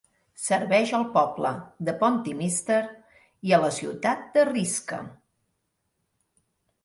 Serveix al poble de Pontymister i a la ciutat de Risca.